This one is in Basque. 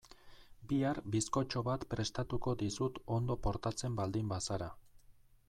Bihar bizkotxo bat prestatuko dizut ondo portatzen baldin bazara.